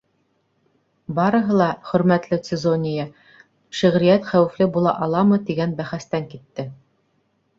Барыһы ла, хөрмәтле Цезония, шиғриәт хәүефле була аламы, тигән бәхәстән китте.